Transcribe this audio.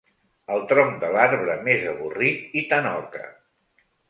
El tronc de l'arbre més avorrit i tanoca.